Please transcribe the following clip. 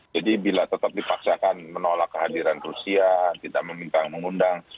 jadi bila tetap dipaksakan menolak kehadiran rusia tidak meminta mengundang